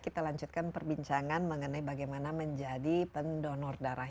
kita lanjutkan perbincangan mengenai bagaimana menjadi pendonor darah